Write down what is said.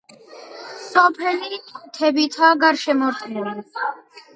სოფელი მთებითაა გარშემორტყმული.